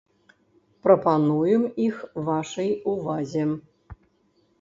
Прапануем іх вашай увазе.